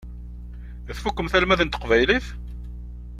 Tfukkemt almad n teqbaylit?